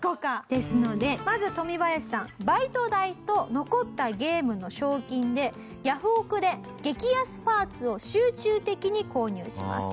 ですのでまずトミバヤシさんバイト代と残ったゲームの賞金でヤフオク！で激安パーツを集中的に購入します。